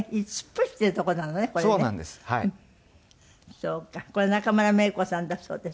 そうかこれ中村メイコさんだそうです。